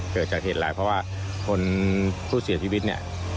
เกิดจากเหตุร้ายเพราะว่าคนผู้เสียชีวิตเนี่ย